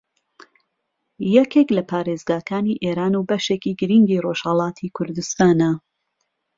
یەکێک لە پارێزگاکانی ئێران و بەشێکی گرینگی ڕۆژھەڵاتی کوردستانە